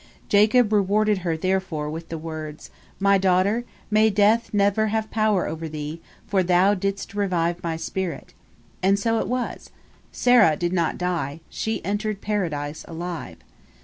Jacob rewarded her therefor with the words, "My daughter, may death never have power over thee, for thou didst revive my spirit." And so it was. Serah did not die, she entered Paradise alive.